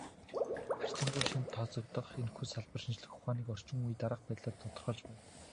Харьцангуй шинэд тооцогдох энэхүү салбар шинжлэх ухааныг орчин үед дараах байдлаар тодорхойлж байна.